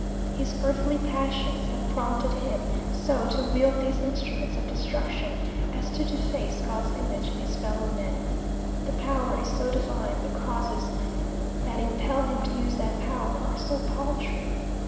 His earthly passions have prompted him so to wield these instruments of destruction, as to deface God's image in his fellow men. The power is so divine the causes that impel him to use that power are so paltry!